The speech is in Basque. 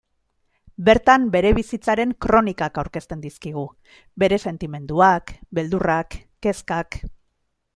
Bertan bere bizitzaren kronikak aurkezten dizkigu; bere sentimenduak, beldurrak, kezkak.